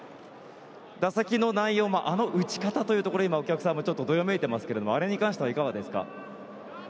打席の内容もあの打ち方というところお客さんもちょっとどよめいていましたがあれについてはいかがですか？